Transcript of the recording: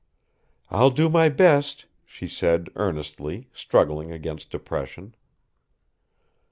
"I'll do my best," she said, earnestly, struggling against depression.